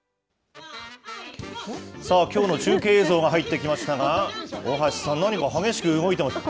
さあ、きょうの中継映像が入ってきましたが、大橋さん、何か気合い入ってますね。